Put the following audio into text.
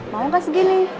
mau gak segini